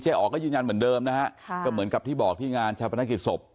อ๋อก็ยืนยันเหมือนเดิมนะฮะก็เหมือนกับที่บอกที่งานชาวพนักกิจศพ